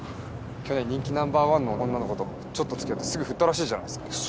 去年人気ナンバー１の女の子とちょっとつきあってすぐ振ったらしいじゃないですか。